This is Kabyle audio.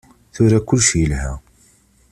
Tura kullec yelha.